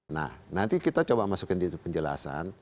nah nanti kita coba masukin di penjelasan